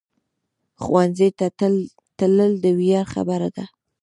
ښوونځی ته تلل د ویاړ خبره ده